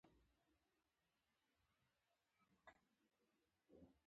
کله چې افغانستان کې ولسواکي وي بې وزلي کمیږي.